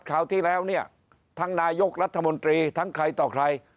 คราวที่แล้วเนี่ยทั้งนายกรัฐมนตรีทั้งใครต่อใคร